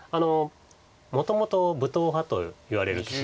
もともと武闘派といわれる棋士で。